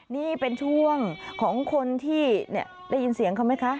นี่เป็นช่วงของคนที่ได้ยินเสียงเขาไหมคะ